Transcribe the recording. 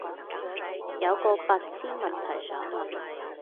有個白癡問題想問